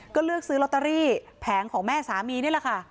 ก็เลือกซื้อลอตเตอรี่แผงของแม่สามีนี่แหละค่ะ